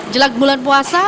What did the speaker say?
jelang bulan puasa